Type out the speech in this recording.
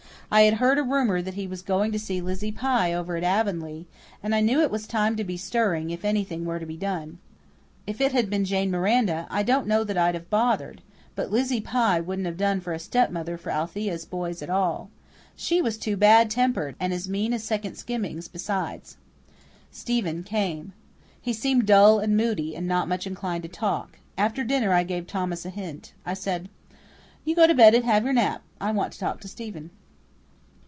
I had heard a rumour that he was going to see Lizzie Pye over at Avonlea, and I knew it was time to be stirring, if anything were to be done. If it had been Jane Miranda I don't know that I'd have bothered; but Lizzie Pye wouldn't have done for a stepmother for Althea's boys at all. She was too bad tempered, and as mean as second skimmings besides. Stephen came. He seemed dull and moody, and not much inclined to talk. After dinner I gave Thomas a hint. I said, "You go to bed and have your nap. I want to talk to Stephen."